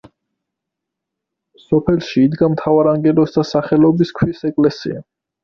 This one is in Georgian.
სოფელში იდგა მთავარანგელოზთა სახელობის ქვის ეკლესია.